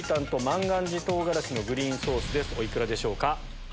お幾らでしょうか？